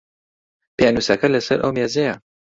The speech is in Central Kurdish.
پێنووسەکە لە سەر ئەو مێزەیە.